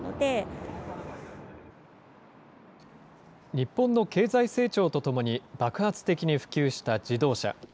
日本の経済成長とともに、爆発的に普及した自動車。